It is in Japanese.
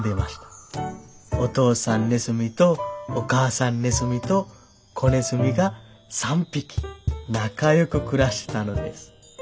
お父さんネズミとお母さんネズミと子ネズミが３匹仲よく暮らしてたのです。